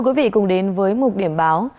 thưa quý vị cùng đến với một điểm báo